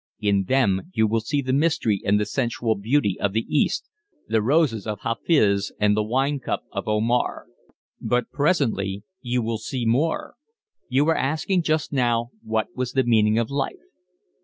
In them you will see the mystery and the sensual beauty of the East, the roses of Hafiz and the wine cup of Omar; but presently you will see more. You were asking just now what was the meaning of life.